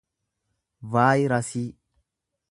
vaayirasii